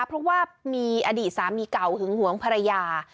เพราะว่ามีอดีตสามีเก่าหึงหวงภรรยา